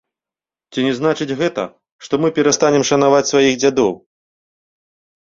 Ці не значыць гэта, што мы перастаем шанаваць сваіх дзядоў?